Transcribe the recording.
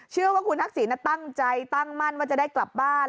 เชื่อว่าคุณทักษิณตั้งใจตั้งมั่นว่าจะได้กลับบ้าน